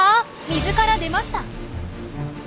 水から出ました。